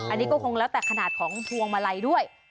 อันนี้ก็คงแล้วแต่ขนาดของพวงมาลัยด้วย